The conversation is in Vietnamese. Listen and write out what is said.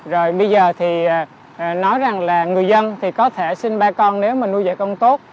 rồi bây giờ thì nói rằng là người dân thì có thể sinh ba con nếu mà nuôi dạy con tốt